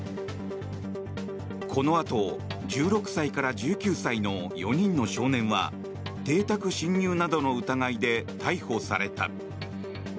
このあと１６歳から１９歳の４人の少年は邸宅侵入などの疑いで逮捕された。